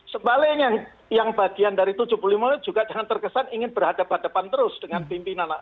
sebaliknya yang bagian dari tujuh puluh lima itu juga jangan terkesan ingin berhadapan hadapan terus dengan pimpinan